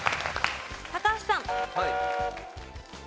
高橋さん。